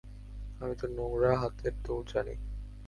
আমি তোর নোংরা হাতের দৌড় জানি।